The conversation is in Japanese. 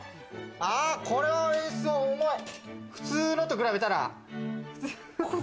これは重い、普通のと比べたら。